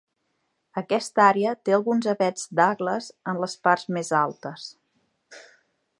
Aquesta àrea té alguns avets Douglas en les parts més altes.